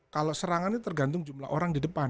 kalau serangannya tergantung jumlah orang di depan